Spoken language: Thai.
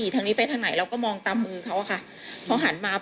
ตอนนั้นกลัวไหม